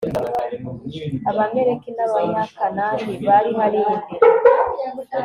abamaleki n'abanyakanani bari hariya imbere